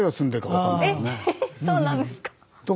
そうなんですか。